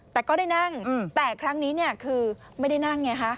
แต่ก็ได้นั่งแต่ครั้งนี้เนี่ยคือไม่ได้นั่งไงฮะ